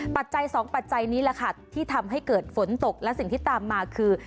ปัจจัยสองปัจจัยนี้แหละค่ะที่ทำให้เกิดฝนตกและสิ่งที่ตามมาคือ